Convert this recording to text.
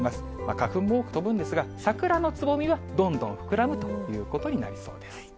花粉も多く飛ぶんですが、桜のつぼみはどんどん膨らむということ